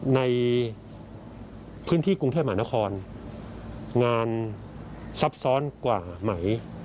ในพื้นที่กรุงเทพมหานครงานซับซ้อนกว่าไหม